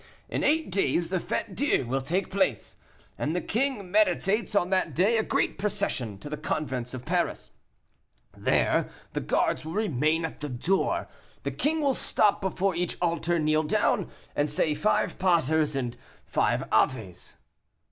In eight days the Fête Dieu will take place, and the king meditates on that day a great procession to the convents of Paris. There, the guards will remain at the door, the king will stop before each altar, kneel down, and say five paters and five aves."